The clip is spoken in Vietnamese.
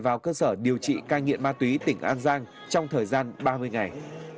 vào cơ sở điều trị cai nghiện ma túy tỉnh an giang trong thời gian ba mươi ngày